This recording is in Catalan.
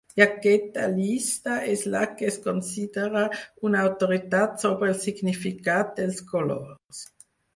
I aquesta llista és la que es considera una autoritat sobre el significat dels colors.